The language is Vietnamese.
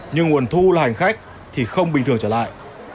nhưng nguồn thu là hành khách thì không bình thường trở lại